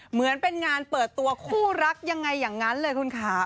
เหมือนเป็นงานเปิดตัวคู่รักยังไงอย่างนั้นเลยคุณค่ะ